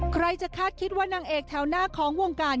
ใครจะคาดคิดว่านางเอกแถวหน้าของวงการ